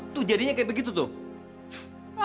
tuh jadinya kayak begitu tuh